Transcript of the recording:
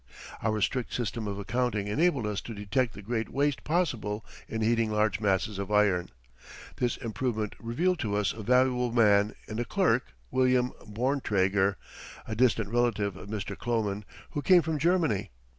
Our strict system of accounting enabled us to detect the great waste possible in heating large masses of iron. This improvement revealed to us a valuable man in a clerk, William Borntraeger, a distant relative of Mr. Kloman, who came from Germany.